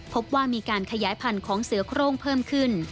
พบว่ามีการขยายพันธุ์ของเสือโครงเพิ่มขึ้น